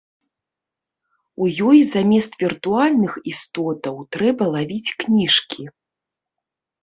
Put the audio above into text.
У ёй замест віртуальных істотаў трэба лавіць кніжкі.